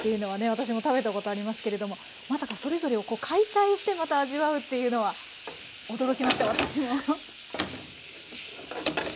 私も食べたことありますけれどもまさかそれぞれをこう解体してまた味わうっていうのは驚きました私も。